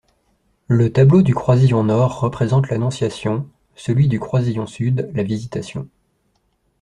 Le tableau du croisillon nord représente l'Annonciation, celui du croisillon sud la Visitation.